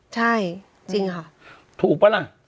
ใช่จริงค่ะถูกปะล่ะ